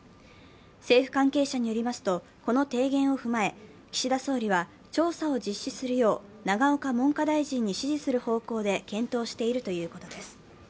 政府関係者によりますと、この提言を踏まえ、岸田総理は調査を実施するよう永岡文科大臣に指示する方向で検討しているということです。